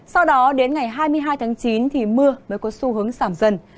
sau đó đến ngày hai mươi hai tháng chín thì mưa mới có xu hướng giảm dần